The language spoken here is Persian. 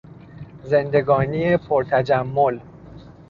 زندگانی پر تجمل